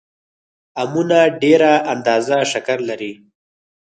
امونه ډېره اندازه شکر لري